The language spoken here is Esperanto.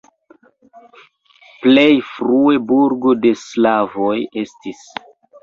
Plej frue burgo de slavoj estis.